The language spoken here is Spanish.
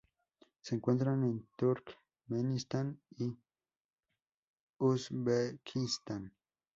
Se encuentran en Turkmenistán y Uzbekistán.